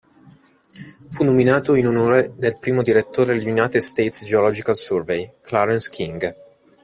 Fu nominato in onore del primo direttore del United States Geological Survey, Clarence King.